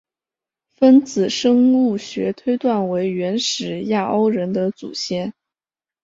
分子生物学推断为原始亚欧人的祖先。